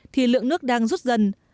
thì lượng nước đang rút dần